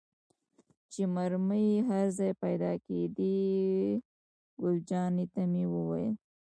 چې مرمۍ یې هر ځای پيدا کېدې، ګل جانې ته مې وویل.